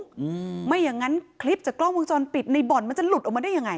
อืมไม่อย่างงั้นคลิปจากกล้องวงจรปิดในบ่อนมันจะหลุดออกมาได้ยังไง